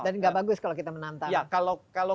dan gak bagus kalau kita menantang